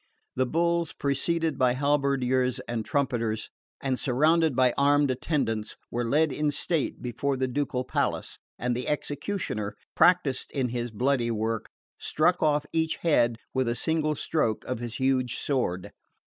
The bulls, preceded by halberdiers and trumpeters, and surrounded by armed attendants, were led in state before the ducal palace, and the executioner, practised in his bloody work, struck off each head with a single stroke of his huge sword.